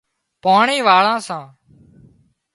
پاڻي واۯان سان